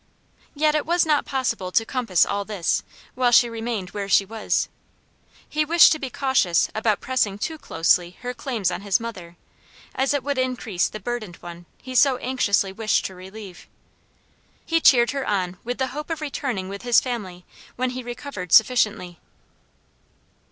Yet it was not possible to compass all this, while she remained where she was. He wished to be cautious about pressing too closely her claims on his mother, as it would increase the burdened one he so anxiously wished to relieve. He cheered her on with the hope of returning with his family, when he recovered sufficiently.